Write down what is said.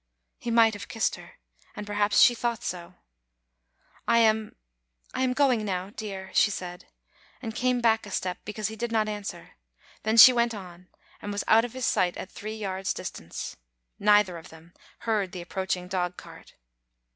He might have kissed her, and perhaps she thought so. "I am — I am going now, dear," she said, and came back a step because he did not answer; then she went on, and was out of his sight at three yards' distance. Neither of them heard the approaching dogcart.